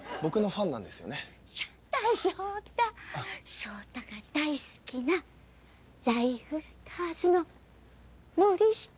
翔太が大好きなライフスターズの森下選手じゃない！